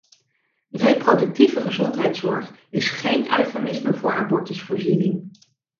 Reproductieve gezondheidszorg is geen eufemisme voor abortusvoorziening.